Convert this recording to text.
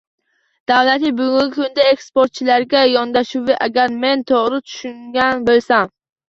Davlatning bugungi kunda eksportchilarga yondashuvi, agar men to‘g‘ri tushungan bo‘lsam